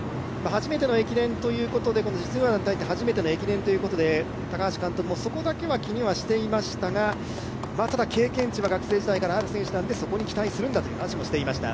実業団に入って初めての駅伝ということで、高橋監督もそこだけは気にしていましたがただ、経験値は学生時代からある選手なので、そこに期待するんだという話をしていました。